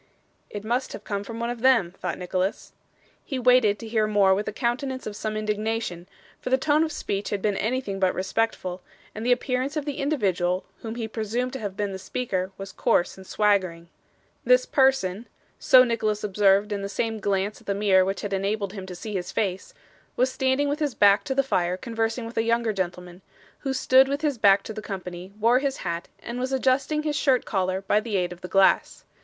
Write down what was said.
'It must have come from one of them,' thought Nicholas. He waited to hear more with a countenance of some indignation, for the tone of speech had been anything but respectful, and the appearance of the individual whom he presumed to have been the speaker was coarse and swaggering. This person so Nicholas observed in the same glance at the mirror which had enabled him to see his face was standing with his back to the fire conversing with a younger man, who stood with his back to the company, wore his hat, and was adjusting his shirt collar by the aid of the glass.